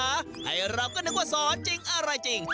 ให้เราก็นึกว่าสอนจริงอะไรจริง